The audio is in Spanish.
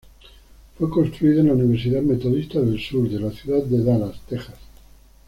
Fue construida en la Universidad Metodista del Sur, en la ciudad de Dallas, Texas.